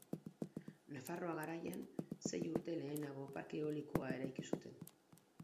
Nafarroa Garaian sei urte lehenago parke eolikoa eraiki zuten.